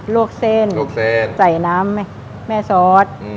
ลวกเส้นใส่น้ำแม่ซอส